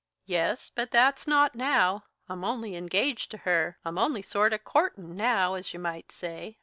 "Yes, but that's not now. I'm only engaged to her; I'm only sort of courtin' now, as you might say."